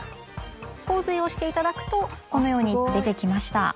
「洪水」を押していただくとこのように出てきました。